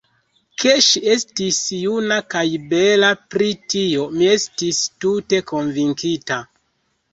Ke ŝi estis juna kaj bela, pri tio mi estis tute konvinkita.